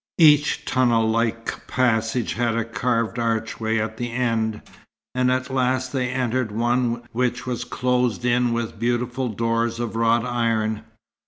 Each tunnel like passage had a carved archway at the end, and at last they entered one which was closed in with beautiful doors of wrought iron.